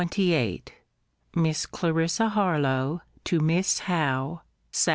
LETTER XXVIII MISS CLARISSA HARLOWE, TO MISS HOWE SAT.